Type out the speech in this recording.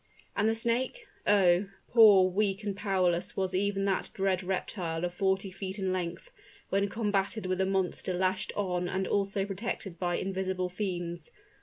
And the snake? Oh! poor, weak and powerless was even that dread reptile of forty feet in length, when combated with a monster lashed on and also protected by invisible fiends.